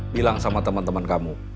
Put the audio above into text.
bilang sama teman teman kamu